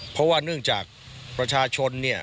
เพราะว่าเนื่องจากประชาชนเนี่ย